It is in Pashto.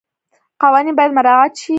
قوانین باید مراعات شي.